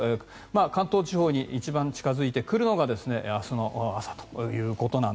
関東地方に一番近付いてくるのが明日の朝。